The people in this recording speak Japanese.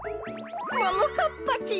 ももかっぱちん！